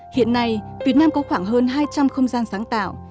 hiện nay việt nam có khoảng hơn hai trăm linh không gian sáng tạo